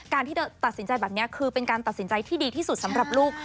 ที่เธอตัดสินใจแบบนี้คือเป็นการตัดสินใจที่ดีที่สุดสำหรับลูก